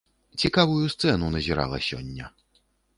Цікавую сцэну назірала сёння.